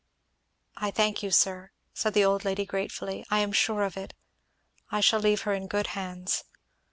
"I thank you, sir," said the old lady gratefully. "I am sure of it. I shall leave her in good hands.